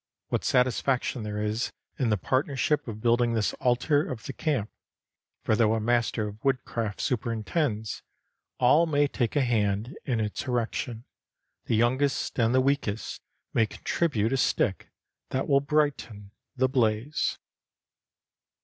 What satisfaction there is in the partnership of building this altar of the camp, for though a master of woodcraft superintends, all may take a hand in its erection; the youngest and the weakest may contribute a stick that will brighten the blaze.